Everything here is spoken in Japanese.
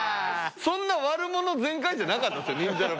そんな悪者全開じゃなかったっすよ。